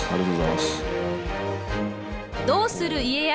「どうする家康」